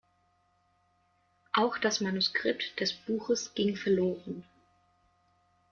Auch das Manuskript des Buches ging verloren.